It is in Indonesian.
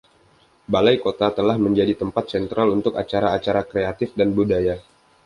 Balai Kota telah menjadi tempat sentral untuk acara-acara kreatif dan budaya.